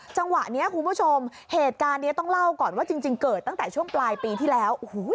จังหวะนี้คุณผู้ชมเหตุการณ์นี้ต้องเล่าก่อนว่าจริงเกิดตั้งแต่ช่วงปลายปีที่แล้ว